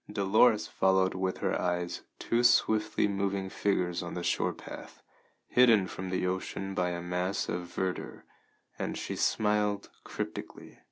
Dolores followed with her eyes two swiftly moving figures on the shore path, hidden from the ocean by a mass of verdure, and she smiled cryptically.